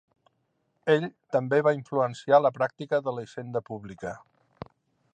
Ell també va influenciar la pràctica de la hisenda pública.